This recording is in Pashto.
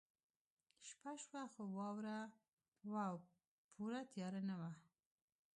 شپه شوه خو واوره وه او پوره تیاره نه وه